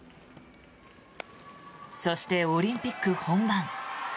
そして、オリンピック本番。